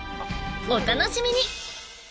お楽しみに！